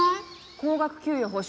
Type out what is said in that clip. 高額給与保証